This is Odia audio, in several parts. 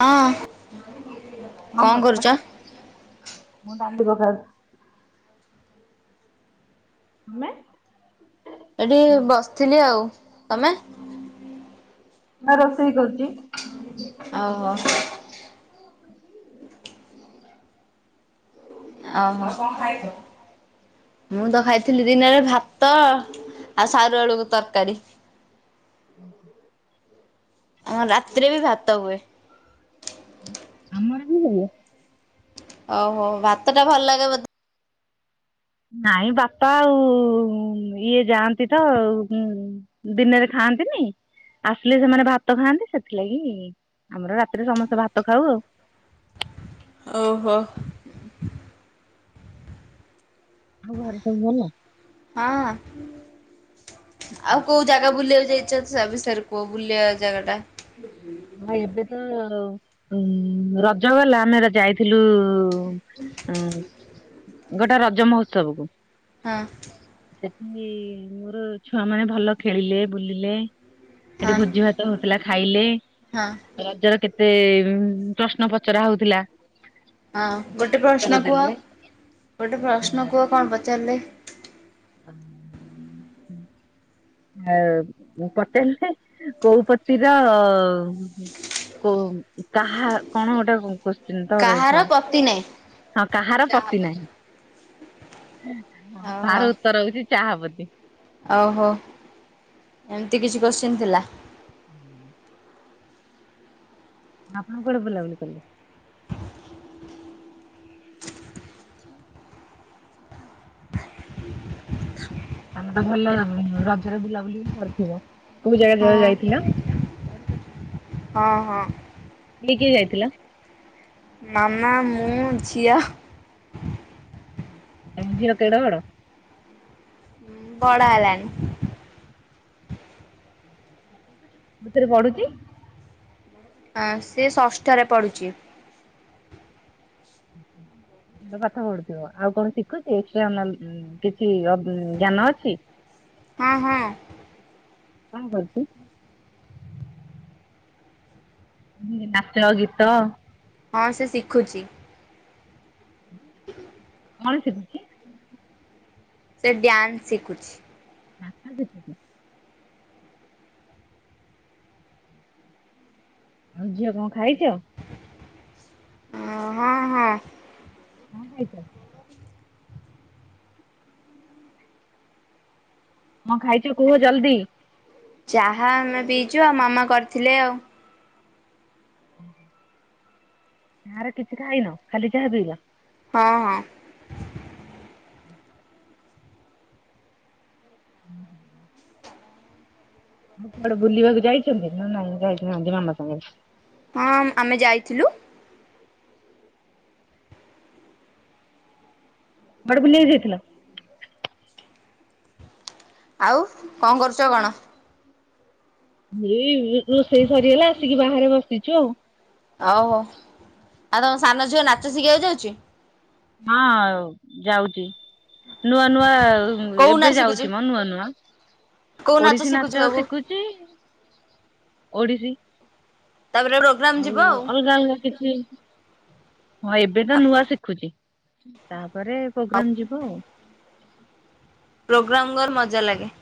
ହଁ କଣ କରୁଛ ମୁଁ ଡାଲି ପଘାରୁଛି। ତମେ? ଏଠି ବସିଥିଲି ଆଉ ତମେ? ନା ରୋଷେଇ ଏଇପା କରୁଛି। ରୋଷେଇ କରୁଚି ଓହୋ। ଓହୋ ଆଉ କଣ କଁ ଖାଇଛ? ଖାଇଁଚ? ମୁଁତ ଖାଇଥିଲି ଦିନରେ ଭାତ ଆଉ ସାରୁ ଆଳୁକୁ ତରକାରୀ। ହୁଁ ହୁଁ। ଆମର ରାତିରେବି ଭାତ ହୁଏ। ଆମରବି ହୁଏ। ଓହୋ ଭାତଟା ଭଲ ଲାଗେ ବୋ ନାଇଁ ବାପା ଆଉ ଇଏ ଯାଆନ୍ତିତ ଦିନରେ ଖାଆନ୍ତିନି ଆସିଲେ ସେମାନେ ଭାତ ଖାଆନ୍ତି ସେଥିଲାଗି ଆମର ରାତିରେ ସମସ୍ତେ ଭାତ ଖାଉ ଆଉ। ଓହୋ। ଆଉ ଘରେ ସବୁ ଭଲ? ହଁ ଆଉ କୋଉ ଜା ଜାଗା ବୁଲିବାକୁ ଯାଇଚ ତା ବିଷୟରେ କୁଅ ବୁଲିବା ଜାଗାଟା? ହଁ ଏବେତ ଉ ରଜଗଲା ଆମେ ଯାଇଥିଲୁ ଉଁ ଗୋଟେ ରଜ ମହୋତ୍ସବକୁ। ହଁ। ସେଠି ମୋର ଛୁଆ ମାନେ ଭଲ ଖେଳିଲେ ବୁଲିଲେ। ହଁ ସେଠି ଭୋଜି ଭାତ ହଉଥିଲା ଖାଇଲେ ହଁ। ରଜର କେତେ ପ୍ରଶ୍ନ ପଚରା ହଉଥିଲା ହଁ ଗୋଟେ ଯାହାର ଉତ୍ତର ପ୍ରଶ୍ନ କୁହ ଦେଲେ ଗୋଟେ ପ୍ରଶ୍ନ କୁହ କଁ ପଚାରିଲେ? [unintelligible] ଆ ପଚାରିଲେ କୋଉପତିର କ କାହା କଣ ଗୋଟେ କୋ ଚିନ୍ତ ରହିଥ କାହାର ପତି ନାହିଁ। ହଁ କାହାର ପତି ନାହିଁ? ହଁ ଓହୋ ତାର ଉତ୍ତର ହଉଚି ଚାହାପତୀ। ଓହୋ ଏମିତି କିଛି କୋଶ୍ଚିନ୍ ଥିଲା। ହୁଁ। ଆପଣ କୁଆଡ଼େ ବୁଲାବୁଲି କଲେ? ତମେତ ଭଲ ରଜରେ ବୁଲାବୁଲିବି କରିଥିବ କୋଉ ଜାଗା ଜା ହଁ ଯାଇଥିଲ? ହଁ ହଁ। କିଏ କିଏ ଯାଇଥିଲ? ମାମା ମୁଁ ଝିଅ ଓହୋ। ତମ ଝିଅ କେଡ଼େ ବଡ଼? ବଡ଼ ହେଲାଣି। କୋଉତିରେ ପଡ଼ୁଚି? ଆଁ ସେ ଷଷ୍ଠରେ ପଢ଼ୁଚି। ପାଠ ପଢୁଥିବ ଆଉ କଣ ଶିଖୁଛି ଏସଟ୍ରା କିଛି ଜ୍ଞାନ ଅଛି? ହଁ ହଁ। କଣ କରୁଚି? ଯେମିତି ନାଚ ଗୀତ ହଁ ସେ ଶିଖୁଚି। [inaudible] ମଣିଷ ତଛି [unintelligible] ସେ ଡ୍ୟାନ୍ସ ଶିଖୁଚି। ବା ଦେଖ [unintelligible] ଆଉ ଝିଅ କଣ ଖାଇଚ? ଅଁ ହଁ ହଁ। କଣ ଖାଇଚ? ମୁଁ ଖାଇଚି କୁହ ଜଲ୍ଦି। ଚାହା ଆମେ ପିଇଚୁ ଆଉ ମାମା କରିଥିଲେ ଆଉ। ହୁଁ। ଆହାର କିଛି ଖାଇନ ଖାଲି ଚାହା ପିଇଲ? ହଁ ହଁ। ହୁଁ ହୁଁ। ଆଉ କୁଆଡେ ବୁଲିବାକୁ ଯାଇଚନ୍ତି ନା ନାଇଁ ଯାଇ ନାହାନ୍ତି ମାମା ସାଙ୍ଗରେ। ହଁ ଆମେ ଯାଇଥିଲୁ। କୁଆଡେ ବୁଲିବାକୁ ଯାଇଥିଲ? ଆଉ କଣ କରୁଚ କଣ? ଏଇ ରୋଷେଇ ସରିଗଲା ଆସିକି ବାହାରେ ବସିଚୁ ଆଉ। ଓଉ ହୋ, ଆଉ ତମ ସାନ ଝିଅ ନାଚ ଶିଖିବାକୁ ଯାଉଚି? ହଁ ଆଉ ଯାଉଚି। ନୂଆ ନୂଆ କୋଉ ଏବେ ନାଚ ଶିଖୁଛି? ଯାଉଚି ମ ନୂଆ ନୂଆ କୋଉ ଓଡିଶୀ ଶିଖୁଛି ନାଚ ସବୁ ଶିଖୁ ହେ ଓଡିଶୀ। ତାପରେ ର ଆଉ ଅଲଗା ଅଲଗା କିଛି ହଁ ଏବେ ତ ଆଉ। ନୂଆ ଶିଖୁଚି ତାପରେ ହଉ ପୋଗ୍ରାମ ଯିବ ଆଉ। ପ୍ରୋଗ୍ରାମ ଗର୍ ମଜା ଲାଗେ।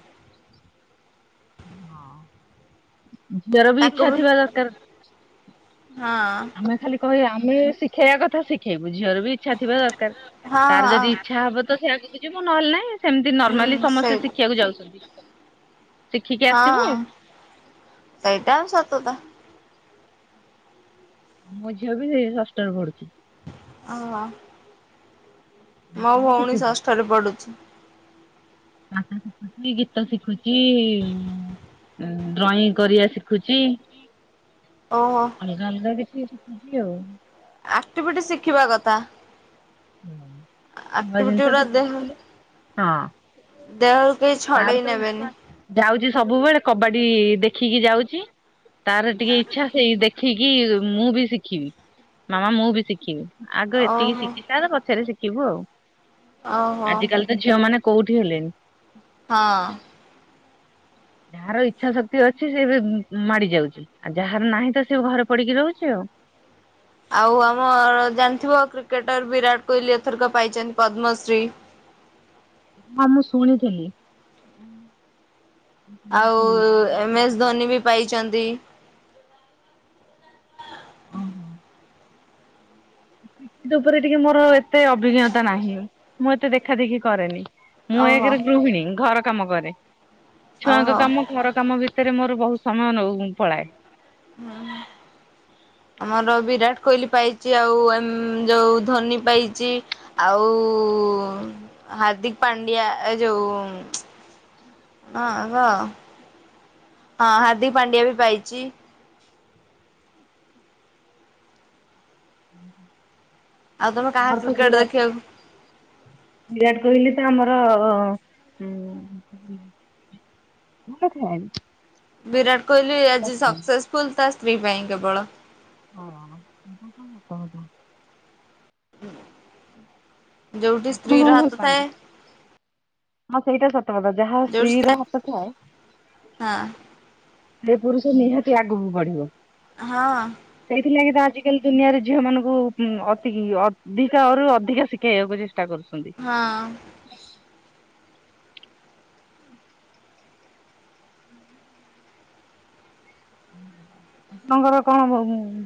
ହଁ ଝିଅର ବି ଇଚ୍ଛା ଥିବା ଦରକାର। ହଁ। ଆମେ ଖାଲି କହିବା ଆମେ ଶିଖେଇବା କଥା ଶିଖେଇବୁ ଝିଅର ବି ଇଚ୍ଛା ଥିବା ଦରକାର ହଁ ତାର ହଁ। ଯଦି ଇଚ୍ଛା ହବ ତ ସେ ଆଗକୁୁ ଯିବ ନହେଲେ ନାହିଁ ସେମିତି ନର୍ମାଲି ହୁଁ ସେଇ ସମସ୍ତେ ଶିଖିବାକୁ ଯାଉଚନ୍ତି। ହଁ ସେଇଟା ଆଉ ସତ ତ। ମୋ ଝିଅ ବି ସେଇ ଷଷ୍ଠରେ ପଢୁଚି। ଓହୋ। ନାଚ ମୋ ବି ଭଉଣୀ ଶିଖୁଛି ଷଷ୍ଠରେ ପଡ଼ୁଚି। ନାଚ ଶିଖୁଚି ଗୀତ ଶିଖୁଚି ଡ୍ରଇଂ କରିବା ଶିଖୁଚି। ଓହୋ। ହେରା ଅଲଗା ଦେଖି କି ଶିଖୁଚି ଆଉ। ଆକ୍ଟିଭିଟି ଶିଖିବା କଥା। ହୁଁ ନୂଆ ଆକ୍ଟିଭିଟି ଜିନିଷ ଗୁରା କିଛି ଦେହ ଶିଖିଲେ ହଁ। ଦେହରୁ କେହି ଛଡେଇ ନେବେନି। ଯାଉଚି ସବୁବେଳେ କବାଡି ଦେଖିକି ଯାଉଚି ତାର ଟିକେ ଇଚ୍ଛା ସେଇ ଦେଖି ଦେଖିକି ମୁଁ ବି ଶିଖିବି ମାମା ମୁଁ ବି ଶିଖିବି। ଆଗ ଏତିକି ଓହୋ। ଶିଖି ସାର ପଛରେ ଶିଖିବୁ ଆଉ। ଆଉ ହଁ। ଆଜିକାଲି ଝିଅ ମାନେ କୋଉଠି ହେଲେଣି। ହଁ। ଯାହାର ଇଚ୍ଛା ଶକ୍ତି ଅଛି ସେ ବି ମାଡି ଯାଉଛି ଆଉ ଯାହାର ନାହିଁ ତ ସେ ଘରେ ପଡିକି ରହୁଛି ଆଉ। ଆଉ ଆମର ଜାଣିଥିବ କ୍ରିକେଟର ବିରାଟ କୋଇଲି ଏଥରକ ପାଇଛନ୍ତି ପଦ୍ମଶ୍ରୀ। ହଁ ମୁଁ ଶୁଣିଥିଲି। ଆଉ ଏମ୍ ଏସ୍ କ୍ରିକେଟ ଧୋନି ବି ପାଇଛନ୍ତି। ହ ହ [unintelligible] ସେ ଉପରେ ଟିକେ ମୋର ଏତେ ଅଭିଜ୍ଞତା ନାହିଁ ମୁଁ ଏତେ ଦେଖା ଦେେଖି କରେନି। ମୁଁ ଓହୋ ଏକରେ ଗୃହିଣୀ ଘର କାମ କରେ। ଛୁଆଙ୍କ ଓହୋ। କାମ ଘର କାମ ଭିତରେ ମୋର ବହୁତ ସମୟ ନଉ ପଳାଏ। [unintelligible] ଆମର ବିରାଟ କୋହଲି ପାଇଛି ଆଉ ଏ ଯୋଉଁ ଧୋନି ପାଇଛି। ଆଉ ଉ ହାର୍ଦ୍ଦିକ ପାଣ୍ଡିଆ ଏ ଯୋଉ। ହଁ ହଁ। ହଁ ହାର୍ଦ୍ଦିକ ପାଣ୍ଡିଆ ବି ପାଇଚି। ଆଉ ତମେ କାହା ମର ତ କ୍ରିକେଟ ବିରାଟ, ଦେଖିବାକୁ ବିରାଟ କୋହଲି ତ ଆମର ଅ [unintelligible] ବିରାଟ କୋହଲି ଭଲ ଆଜି ଖେଳାଳି। ସକ୍ସେସଫୁଲ ତା ସ୍ତ୍ରୀ ପାଇଁ କେବଳ। ହଁ ଏ କଣତା [unintelligible] ଯେଉଠି ଆପଣ ସ୍ତ୍ରୀ କଣ ର ଭଲ ପାଆନ୍ତି? ହତଥାଏ, ହଁ ସେଇଟା ସତ କଥା ଯାହା ସ୍ତ୍ରୀ ଯୋଉଠି ର ହାତ ଥାଏ। ହଁ ସେ ପୁରୁଷ ନିହାତି ଆଗକୁ ବଢିବ। ହଁଅ। ସେଇଥିଲାଗି ତ ଆଜିକାଲି ଦୁନିଆରେ ଝିଅ ମାନଙ୍କୁ ଅତି କ ଅଧିକାରୁ ଅଧିକା ଶିଖେଇବାକୁ ପଡିବ। ଚେଷ୍ଟା କରୁଛନ୍ତି, ହଁଅ ଆପଣଙ୍କର କଣ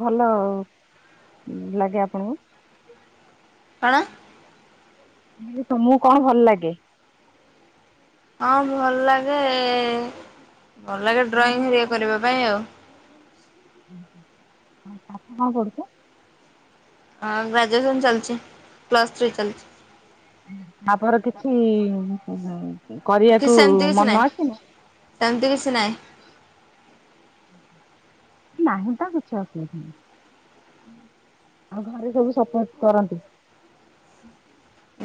ଭଲ ଅ ଲାଗେ ଆପଣଙ୍କୁ? କଣ ତମକୁ କଣ ଭଲ ଲାଗେ, ହଁ ଭଲ ଲାଗେ ଏ- ଭଲ ଲାଗେ ଆମ ଘରେ ଡ୍ରଇଂଏ କଣ କରିବା ପାଇଁ ଆଉ, କଣ କରୁଛୁ, ହଁ ଗ୍ରାଜୁଏସନ୍ ଚାଲିଛି ପ୍ଲସଥ୍ରୀ ଚାଲିଛି। ତାପରେ କିଛି କରିବାକୁ ମନ ଅଛି। ଏମିତି କିଛି ନାହିଁ। ନାହିଁ ତ କିଛି ଅସୁବିଧା ନାଁ। ଆଉ ଘରେ ସବୁ ସପୋର୍ଟ କରନ୍ତି।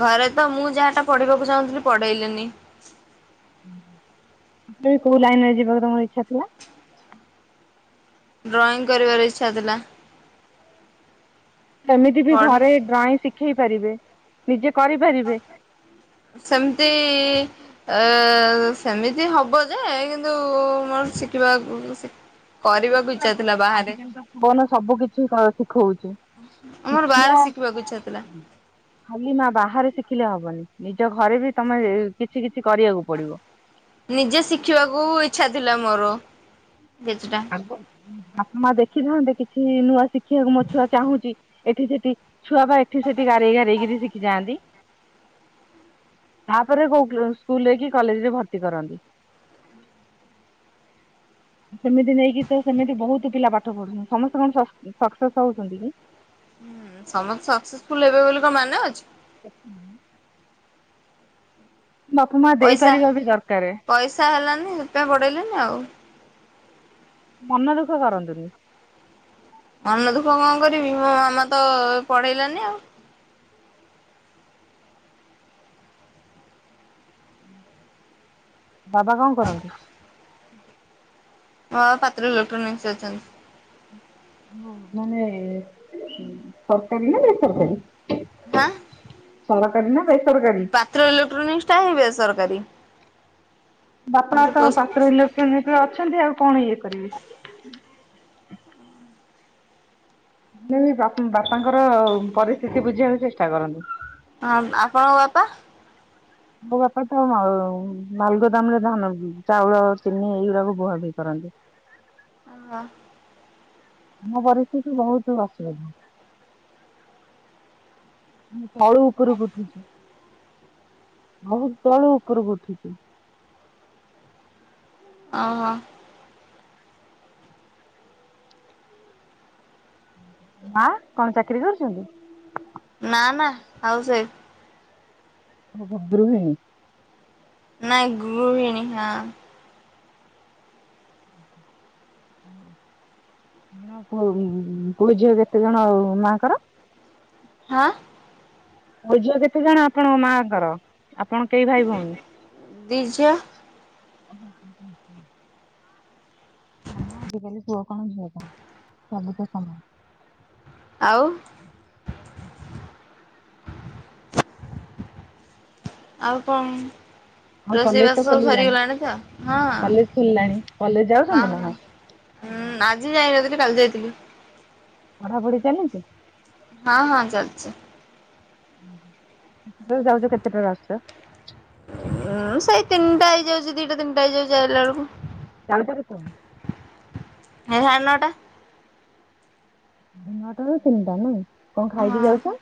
ଘରେ ତ ମୁଁ ଯାହାଟା ପଢିବାକୁ ଚାହୁଁଥିଲି ପଢେଇଲେନି? [unintelligible] ବି କୋଉ ଲାଇନ ରେ ଯିବ ତମର ଇଚ୍ଛା ଥିଲା। ଡ୍ରଇଂ କରିବାର ଇଚ୍ଛା ଥିଲା। ହେଲେ ବି ସେ ପଢ଼େ ଘରେ ଡ୍ରଇଂ ଶିଖେଇ ପାରିବେ ନିଜେ କରିପାରିବେ। ସେମିତି ଏ ସେମିତି ହବ ଯେ କିନ୍ତୁ ମୋର ଶିଖିବା [unintelligible] କରିବାକୁ ଇଚ୍ଛା ଥିଲା ବାହାରେ। ବନ ସବୁ କିଛି କ ଶିଖଉଛି। ଆମର ଛୁଆ ବାହାରେ ଶିଖିବାକୁ ଇଚ୍ଛା ଥିଲା। ଖାଲି ମା ବାହାରେ ଶିଖିଲେ ହବନି ନିଜ ଘରେ ବି ତମେ କିଛି କିଛି କରିବାକୁ ପଡିବ। ନିଜେ ଶିଖିବାକୁ ଇଚ୍ଛା ଥିଲା ମୋର କିଚିଟା। ଆଗ ବାପ ମା ଦେଖିଥାନ୍ତେ କିଛି ନୂଆ ଶିଖିବାକୁ ମୋ ଛୁଆ ଚାହୁଁଛି ଏଠି ସେଠି। ଛୁଆ ପା ଏଠି ସେଠି ଗରେଇ ଗାରେଇକିରି ଶିଖି ଯାଆନ୍ତି। ତାପରେ କୋଉ କ ସ୍କୁଲରେ କି କଲେଜ ରେ ଭର୍ତ୍ତି କରନ୍ତି। ସେମିତି ନେଇକି ତ ସେମିତି ବହୁତ ପିଲା ପାଠ ପଢୁଛନ୍ତି ସମସ୍ତେ କଣ ସକ୍ସ ସକ୍ସେସ ହଉଛନ୍ତି କି? ସମସ୍ତେ ସକ୍ସେସଫୁଲ ହେବେ ବୋଲି କଣ ମାନେ ଅଛି। [inaudible] ବାପ ମା ପଇସା ଦେଇପାରିବା ବି ଦରକାରେ। ପଇସା ହେଲାନି ସେଥିପାଇଁ ପଢେଇଲେନି ଆଉ। ମନ ଦୁଃଖ କରନ୍ତୁନି। ମନ ଦୁଃଖ କଣ କରିବି ମୋ ମାମା ତ ପଢେଇଲାନି ଆଉ। ବାବା କଣ କରନ୍ତି? ମୋ ବାବା ପାତ୍ର ଇଲୋକ୍ଟ୍ରୋନିକ୍ସ ଅଛନ୍ତି। ହ ମାନେ ସରକାରୀ ନା ବେସରକାରୀ? ହା ସରକାରୀ ନା ବେସରକାରୀ? ପାତ୍ରଇଲୋକ୍ଟ୍ରୋନିକ୍ସଟା ହିଁ ବେସରକାରୀ। ବାପା ତ ହଁ ପାତ୍ର ଇଲୋକ୍ଟ୍ରୋନିକ୍ସ ରେ ଅଛନ୍ତି ଆଉ କଣ ଇଏ କରିବେ। ହେଲେ ବି ବାପାଙ୍କର ପରିସ୍ଥିତି ବୁଝିବାକୁ ଚେଷ୍ଟା କରନ୍ତୁ। ହଁ ଆପଣଙ୍କ ବାପା? ମୋ ବାପା ତ ମାଲ ମାଲଗୋଦାମ ରେ ଧାନ, ଚାଉଳ, ଚିନି ଏଇଗୁରାକୁ ବୁହା ବୁହି କରନ୍ତି। [inaudible] ଆମ ପରିସ୍ଥିତି ବହୁତ ଅସୁବିଧା। ତଳୁ ଉପୁରୁକୁ ଉଠିଚୁ। ବହୁତ ତଳୁ ଉପରକୁ ଉଠିଚୁ। ଅ ମା କଣ ଚାକିରୀ କରୁଚନ୍ତି? ନା ନା ଆଉ ସେ ଓହୋ ଗୃହିଣୀ। ନାଇଁ ଗୃହିଣୀ ହଁ। [unintelligible] ପୁଅ ଝିଅ କେତେ ଜଣ ମାଙ୍କର? ହା ପୁଅ ଝିଅ କେତେ ଜଣ ଆପଣଙ୍କ ମାଆଙ୍କର ଆପଣ କେଇ ଭାଇ ଭଉଣୀ? ଦି ଝିଅ। [inaudible] ହଁ ମ ଆଜିକାଲି ପୁଅ କଣ ଝିଅ କଣ ସବୁ ତ ସମାନ। ଆଉ ଆଉ କଣ? ଆଉ ରୋଷେଇ କଲେଜ ତ ବାସ ସବୁ ଖୋଲିଲାଣି। ସରିଗଲାଣି ତ ହଁ କଲେଜ ଖୋଲିଲାଣି କଲେଜ ହଁ ଯାଉଛନ୍ତି ନା ହଁ। ନାଇଁ ହୁଁ ଆଜି ଯାଇନଥିଲି କାଲି ଯାଇଥିଲି। ପଢାପୁଢି ଚାଲିଚି? ହଁ ହଁ ଚାଲଚି। ହୁଁ ହୁଁ ହୁଁ ହୁଁ ଯୋଉ ଯାଉଚ କେତେଟାରେ ଆସୁଚ? ଉଁ ସେଇ ତିନିଟା ହେଇଯାଉଚି ଦିଟା ତିନଟା ହେଇଯାଉଚି ଆଇଲା ବେଳୁକୁ। ଯାଉଚ କେତବେଳେ? ହେଇ ହାଡ ନଅଟା। ଉଁ ହୁଁ ନଅଟାରୁ ତିନିଟା ନାଇଁ କଁ ଖାଇକି ହଁ ଯାଉଛ?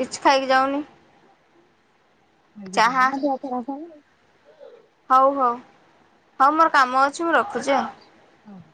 କିଛି ଖାଇକି ଯାଉନି। ଖାଇକି ଯିବ ଚାହା ନା ଦେହ ଖରାପ ହବ ଆଉ। ହଉ ହଉ ହଉ ମୋର କାମ ଅଛି ମୁଁ ରଖୁଚି ଆଉ। ହଉ ହଉ।